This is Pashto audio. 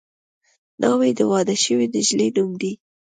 ناوې د واده شوې نجلۍ نوم دی